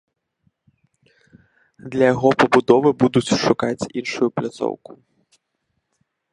Для яго пабудовы будуць шукаць іншую пляцоўку.